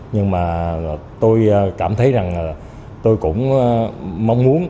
nhưng mà tôi cảm thấy rằng tôi cũng mong muốn